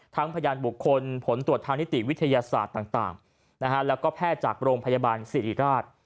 พยานบุคคลผลตรวจทางนิติวิทยาศาสตร์ต่างแล้วก็แพทย์จากโรงพยาบาลสิริราช